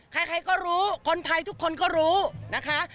ใครก็รู้คนไทยทุกคนก็รู้นะคะ